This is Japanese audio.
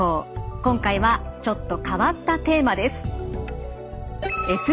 今回はちょっと変わったテーマです。